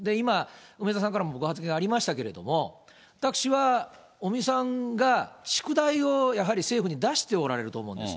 梅沢さんからもご発言ありましたけれども、私は尾身さんが宿題をやはり政府に出しておられると思うんです。